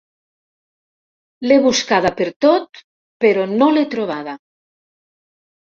L'he buscada pertot, però no l'he trobada.